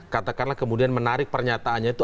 katakanlah kemudian menarik pernyataannya itu